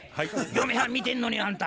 嫁はん見てんのにあんた。